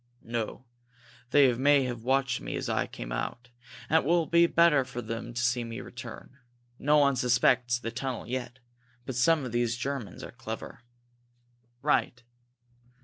"No. They may have watched me as I came out, and it will be better for them to see me return. No one suspects the tunnel yet, but some of these Germans are clever." "Right!